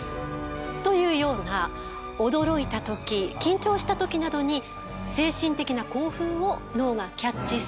というような驚いた時緊張した時などに精神的な興奮を脳がキャッチすると。